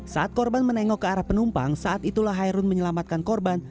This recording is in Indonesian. saat korban menengok ke arah penumpang saat itulah hairun menyelamatkan korban